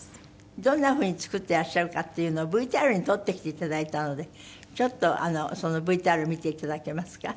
どんな風に作ってらっしゃるかっていうのをＶＴＲに撮ってきていただいたのでちょっとそのＶＴＲ見ていただけますか？